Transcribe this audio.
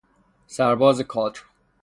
سرباز کادر